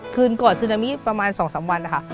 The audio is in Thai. คืนก่อนซึนามิประมาณ๒๓วันนะคะ